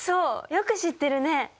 よく知ってるね。